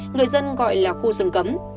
người dân gọi là khu rừng cấm